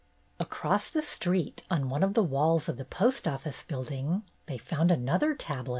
Across the street, on one of the walls of the post office building, they found another tablet.